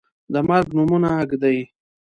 د مرګ نومونه ږدي